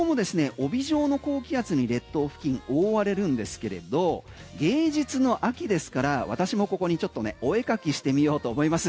帯状の高気圧に列島付近、覆われるんですけれど芸術の秋ですから私もここにちょっとお絵かきしてみようと思います。